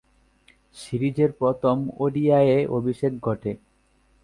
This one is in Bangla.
সিরিজের প্রথম ওডিআইয়ে অভিষেক ঘটে।